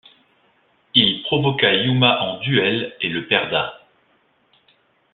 Il provoqua Yuma en duel et le perda.